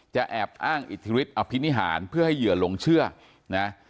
แอบอ้างอิทธิฤทธอภินิหารเพื่อให้เหยื่อหลงเชื่อนะ